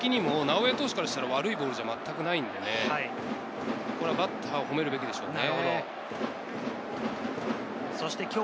高さ、コース的にも直江投手からしたら、悪いボールじゃまったくないので、バッターを褒めるべきでしょうね。